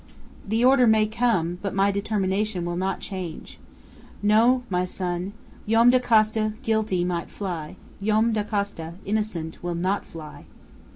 "The order may come, but my determination will not change. No, my son! Joam Dacosta, guilty, might fly! Joam Dacosta, innocent, will not fly!"